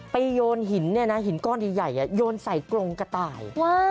โยนหินเนี่ยนะหินก้อนใหญ่โยนใส่กรงกระต่าย